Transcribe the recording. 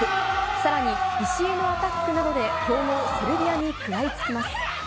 さらに、石井のアタックなどで強豪、セルビアに食らいつきます。